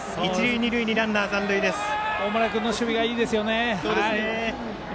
大村君の守備がいいですよね。